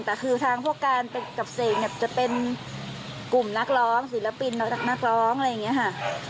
แต่คือทางพวกการเป็นกับเสกเนี่ยจะเป็นกลุ่มนักร้องศิลปินนักร้องอะไรอย่างนี้ค่ะ